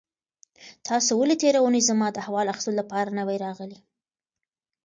تاسو ولې تېره اونۍ زما د احوال اخیستلو لپاره نه وئ راغلي؟